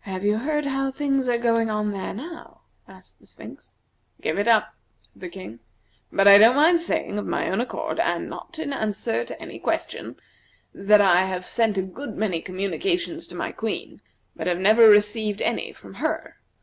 "Have you heard how things are going on there now?" asked the Sphinx. "Give it up," said the King. "But I don't mind saying of my own accord, and not as answer to any question, that I have sent a good many communications to my Queen, but have never received any from her.